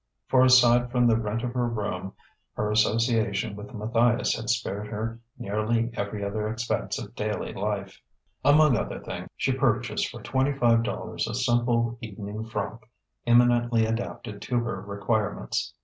(For aside from the rent of her room, her association with Matthias had spared her nearly every other expense of daily life.) Among other things, she purchased for twenty five dollars a simple evening frock eminently adapted to her requirements.